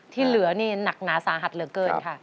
ที่เหลือนี่หนักหนาสาหัสเหลือเกินค่ะ